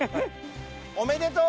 おめでとう！